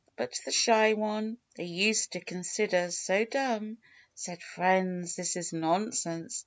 But the Shy One they used to consider so dumb, Said, " Friends, this is nonsense